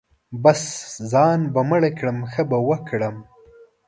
بـس ځان به مړ کړم ښه به وکړم.